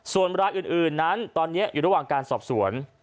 ส่วนเวลาอื่นนั้นตอนนี้อยู่ระวังสอบสวน